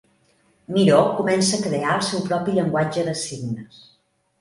Miró comença a crear el seu propi llenguatge de signes.